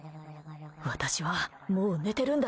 私は、もう寝てるんだ。